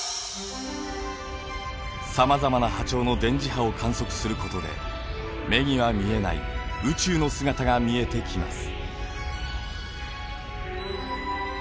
さまざまな波長の電磁波を観測することで目には見えない宇宙の姿が見えてきます。